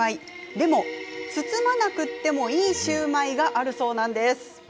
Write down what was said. でも包まなくってもいいシューマイがあるそうなんです。